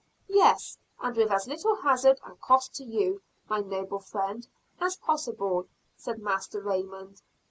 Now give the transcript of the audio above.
"Yes, and with as little hazard and cost to you, my noble friend, as possible," said Master Raymond.